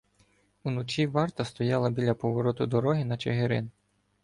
Уночі варта стояла біля повороту дороги на Чигирин.